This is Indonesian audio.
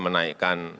tapi kalau masih kurang